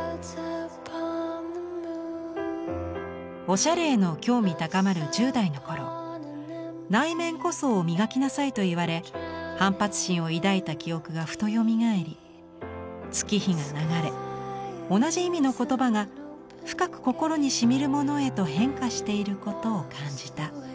「おしゃれへの興味高まる１０代の頃内面こそを磨きなさいと言われ反発心を抱いた記憶がふと蘇り月日が流れ同じ意味の言葉が深く心に染みるものへと変化していることを感じた」。